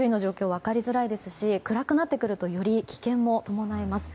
分かりづらいですし暗くなってくるとより危険も伴います。